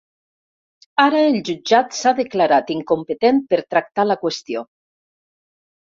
Ara el jutjat s’ha declarat incompetent per tractar la qüestió.